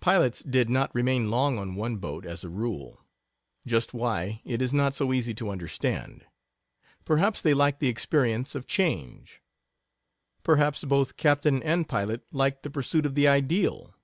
Pilots did not remain long on one boat, as a rule; just why it is not so easy to understand. Perhaps they liked the experience of change; perhaps both captain and pilot liked the pursuit of the ideal.